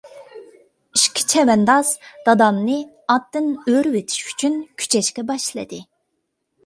ئىككى چەۋەنداز دادامنى ئاتتىن ئۆرۈۋېتىش ئۈچۈن كۈچەشكە باشلىدى.